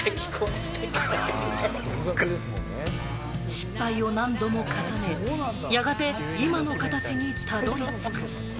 失敗を何度も重ね、やがて今の形にたどり着く。